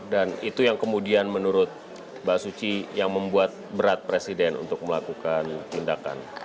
dan itu yang kemudian menurut mbak suci yang membuat berat presiden untuk melakukan pindakan